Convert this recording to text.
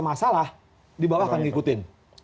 masalah di bawah akan ngikutin